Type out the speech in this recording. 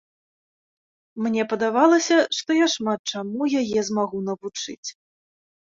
Мне падавалася, што я шмат чаму яе змагу навучыць.